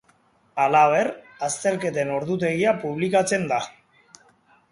Halaber, azterketen ordutegia publikatzen da.